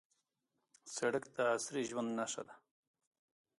سړک د عصري ژوند نښه ده.